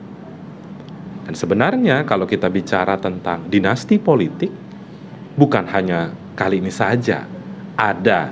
hai dan sebenarnya kalau kita bicara tentang dinasti politik bukan hanya kali ini saja ada